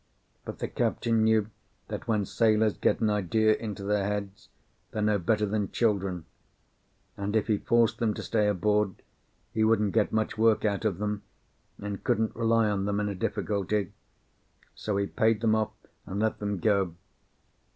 But the captain knew that when sailors get an idea into their heads, they're no better than children; and if he forced them to stay aboard, he wouldn't get much work out of them, and couldn't rely on them in a difficulty. So he paid them off, and let them go.